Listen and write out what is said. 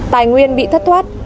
tài nguyên bị thất thoát